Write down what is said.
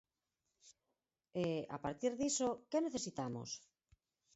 E, a partir diso, ¿que necesitamos?